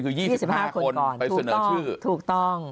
๒๕คนก่อนถูกต้อง